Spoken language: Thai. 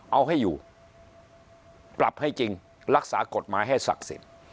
เอาให้อยู่ปรับให้จริงรักษากฎหมายให้ศักดิ์สิทธิ์